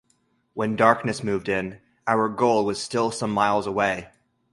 When darkness moved in, our goal was still some miles away.